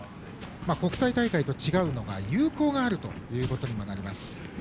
国際大会と違うのが有効があるということになります。